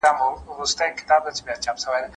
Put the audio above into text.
نو خپله دې هم زده کېږي.